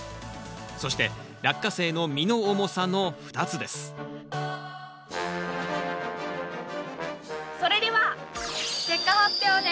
そしてラッカセイの実の重さの２つですそれでは。